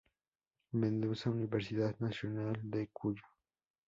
Mendoza, Universidad Nacional de Cuyo.